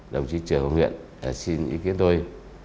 đồng chí trường hồng nguyễn xin ý kiến tôi